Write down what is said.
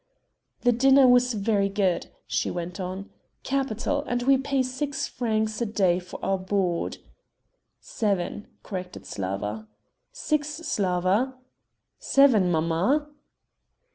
"The dinner was very good," she went on, "capital, and we pay six francs a day for our board." "Seven," corrected Slawa. "Six, Slawa." "Seven, mamma."